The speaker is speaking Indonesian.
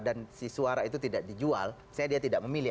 dan si suara itu tidak dijual